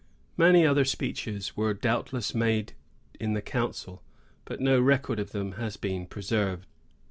Many other speeches were doubtless made in the council, but no record of them has been preserved.